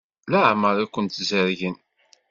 Leɛmeṛ i kent-zerrgen?